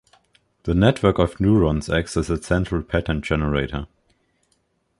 The network of neurons acts as a central pattern generator.